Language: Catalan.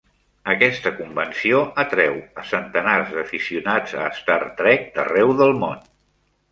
Aquesta convenció atreu a centenars d'aficionats a "Star Trek" d'arreu del món.